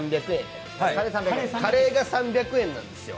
カレーが３００円なんですよ。